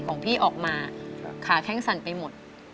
ของพี่ออกมาขาแข้งสั่นไปหมด